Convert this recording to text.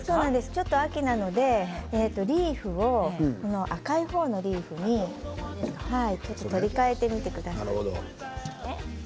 ちょっと秋なのでリーフを赤い方のリーフにちょっと取り替えてみてください。